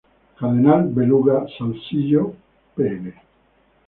Cardenal Belluga, Salzillo, Pl.